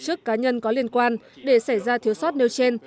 tổ chức cá nhân có liên quan để xảy ra thiếu sót nêu trên